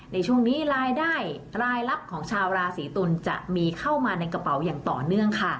ในช่วงนี้รายได้รายลับของชาวราศีตุลจะมีเข้ามาในกระเป๋าอย่างต่อเนื่องค่ะ